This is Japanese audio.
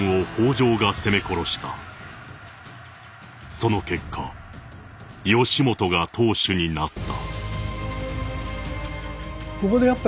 「その結果義元が当主になった」。